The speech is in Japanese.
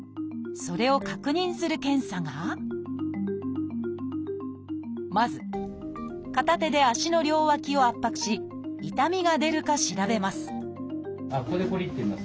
それを確認する検査がまず片手で足の両脇を圧迫し痛みが出るか調べます